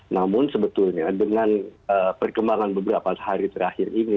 namun sebetulnya dengan perkembangan beberapa hari terakhir ini